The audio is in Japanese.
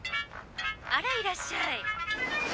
あらいらっしゃい。